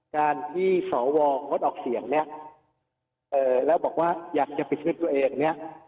การที่สวงดออกเสียงเนี่ยแล้วบอกว่าอยากจะปิดชีวิตตัวเองเนี่ย